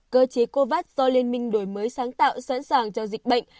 cơ chế covax do liên minh đổi mới sáng tạo sẵn sàng cho dịch bệnh